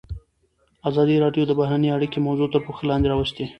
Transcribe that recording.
ازادي راډیو د بهرنۍ اړیکې موضوع تر پوښښ لاندې راوستې.